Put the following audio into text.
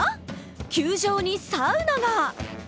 球場にサウナが！